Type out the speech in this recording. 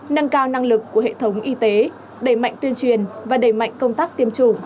nâng cao năng lực của hệ thống y tế đẩy mạnh tuyên truyền và đẩy mạnh công tác tiêm chủng